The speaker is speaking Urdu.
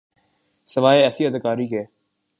سوائے ایسی اداکاری کے۔